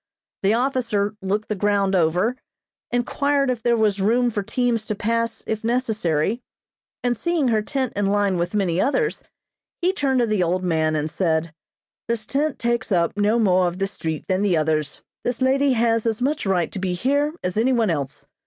The officer looked the ground over, inquired if there was room for teams to pass if necessary, and seeing her tent in line with many others, he turned to the old man and said: "This tent takes up no more of the street than the others. This lady has as much right to be here as any one else.